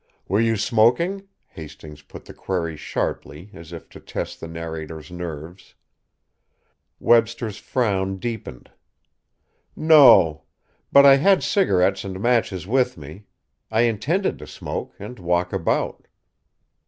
"Were you smoking?" Hastings put the query sharply, as if to test the narrator's nerves. Webster's frown deepened. "No. But I had cigarettes and matches with me. I intended to smoke and walk about."